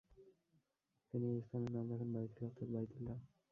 তিনি এই স্থানের নাম রাখেন বায়তুল অর্থাৎ বায়তুল্লাহ।